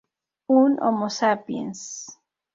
Un "homo sapiens".